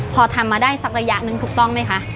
พอทำมาได้สักระยะหนึ่งถูกต้องไหมคะ